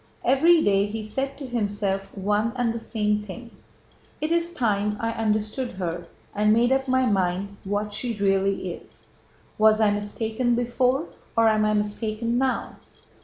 Every day he said to himself one and the same thing: "It is time I understood her and made up my mind what she really is. Was I mistaken before, or am I mistaken now?